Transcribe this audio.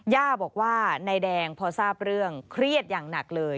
ย่าบอกว่านายแดงพอทราบเรื่องเครียดอย่างหนักเลย